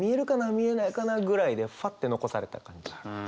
見えないかな？ぐらいでふわって残された感じ。